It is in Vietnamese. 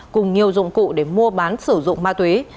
cùng nhiều dụng cụ để mua bán sử dụng ma túy